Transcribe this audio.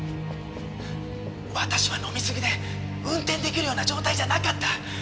私は飲みすぎで運転出来るような状態じゃなかった。